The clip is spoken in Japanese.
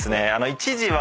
一時は。